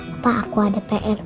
apa aku ada pr